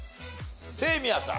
清宮さん。